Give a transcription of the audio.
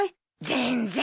全然。